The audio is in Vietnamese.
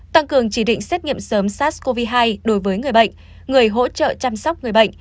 tăng cường chỉ định xét nghiệm sớm sars cov hai đối với người bệnh người hỗ trợ chăm sóc người bệnh